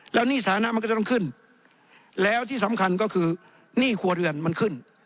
แล้วหนี้สถานะมันก็จะต้องขึ้นแล้วที่สำคัญก็คือหนี้ครัวเรือนมันขึ้น